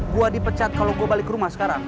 gua dipecat kalo gua balik rumah sekarang